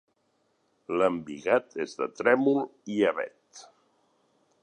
L'embigat és de trèmol i avet.